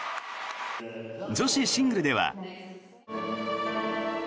女子シングルでは。